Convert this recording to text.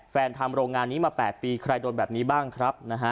ทำโรงงานนี้มา๘ปีใครโดนแบบนี้บ้างครับนะฮะ